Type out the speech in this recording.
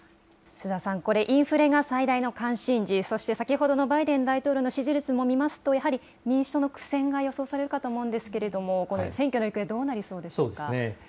須田さん、これインフレが最大の関心事、そして先ほどのバイデン大統領の支持率も見ますとやはり民主党の苦戦が予想されるかと思うんですけれども選挙の行方どうなりそうでしょうか。